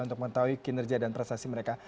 untuk mengetahui kinerja dan prestasi mereka